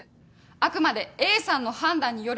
あくまでＡさんの判断によるものです。